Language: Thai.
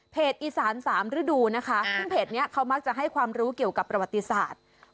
เพจอิสาน๓ฤดูนะคะเพจนี้เค้ามาจังให้ความรู้เกี่ยวกับประวัติศาจ